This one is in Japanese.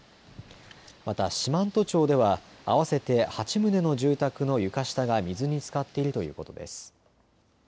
また、四万十町では、合わせて８棟の住宅の床下が水につかっているということです。